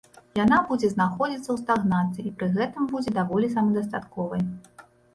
Яна будзе знаходзіцца ў стагнацыі і пры гэтым будзе даволі самадастатковай.